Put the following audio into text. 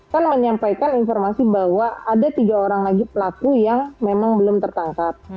kan menyampaikan informasi bahwa ada tiga orang lagi pelaku yang memang belum tertangkap